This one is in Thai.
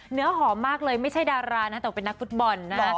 เนื้อหอมมากเลยไม่ใช่ดารานะแต่เป็นนักฟุตบอลนะ